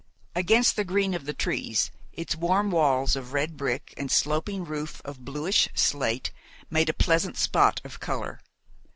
Against the green of the trees its warm walls of red brick and sloping roof of bluish slate made a pleasant spot of colour.